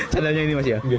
sandalnya ini mas ya